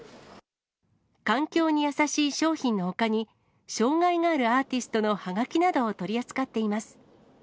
環境に優しい商品のほかに、障がいがあるアーティストのはがきなどを取り扱っています。